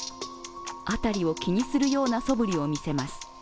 辺りを気にするようなそぶりを見せます。